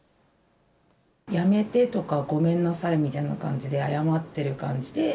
やめてとか、ごめんなさいみたいな感じで謝ってる感じで。